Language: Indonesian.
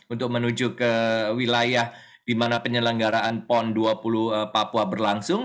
untuk menuju ke wilayah di mana penyelenggaraan pon dua puluh papua berlangsung